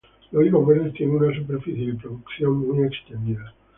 Los higos verdes tienen una superficie de producción muy extendida.